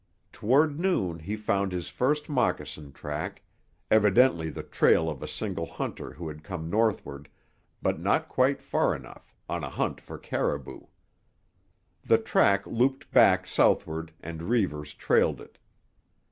Toward noon he found his first moccasin track, evidently the trail of a single hunter who had come northward, but not quite far enough, on a hunt for caribou. The track looped back southward and Reivers trailed it.